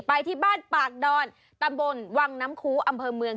ไปที่บ้านปากดอนตำบลวังน้ำคูอำเภอเมือง